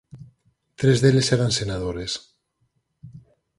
Tres deles eran senadores.